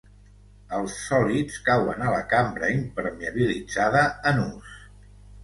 Els sòlids cauen a la cambra impermeabilitzada en ús.